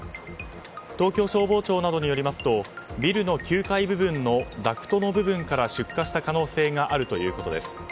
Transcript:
東京消防庁などによりますとビルの９階部分のダクトの部分から出火した可能性があるということです。